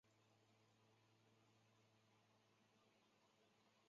泰勒多项式的余数项有助于分析局部截尾误差。